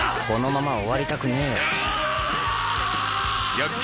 このまま終わりたくねえよ。